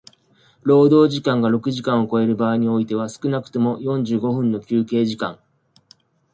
労働時間が六時間を超える場合においては少くとも四十五分の休憩時間